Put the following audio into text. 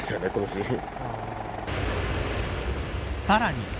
さらに。